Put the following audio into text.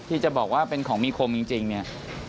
ที่จะบอกว่าเป็นของมีคมจริงเนี่ย